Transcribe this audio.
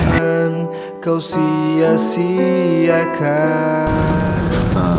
kan kau sia siakan